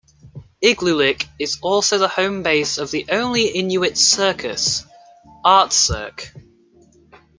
Igloolik is also the home-base of the only Inuit circus, Artcirq.